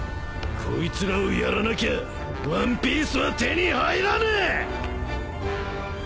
［こいつらをやらなきゃワンピースは手に入らねえ！］